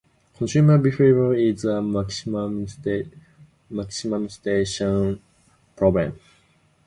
Consumer behaviour is a maximisation problem.